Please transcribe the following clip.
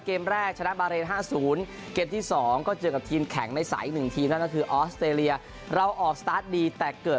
เกมแรกชนะบาเรน๕๐เกมที่๒ก็เจอกับทีมแข็งในสายอีก๑ทีมนั่นก็คือออสเตรเลียเราออกสตาร์ทดีแต่เกิด